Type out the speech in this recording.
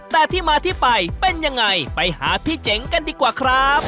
แต่ที่มาที่ไปเป็นยังไงไปหาพี่เจ๋งกันดีกว่าครับ